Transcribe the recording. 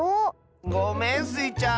ごめんスイちゃん。